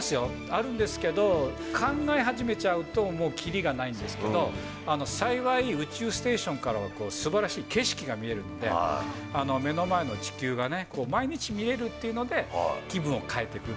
あるんですけど、考え始めちゃうと、もう切りがないんですけど、幸い宇宙ステーションからはすばらしい景色が見えるんで、目の前の地球がね、こう毎日見えるっていうので、気分を変えていく。